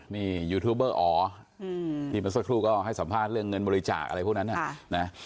นี่ยูทูบเบอร์อ๋อที่เมื่อสักครู่ก็ให้สัมภาษณ์เรื่องเงินบริจาคอะไรพวกนั้น